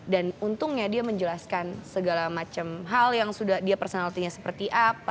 dan untungnya dia menjelaskan segala macem hal yang sudah dia personality nya seperti apa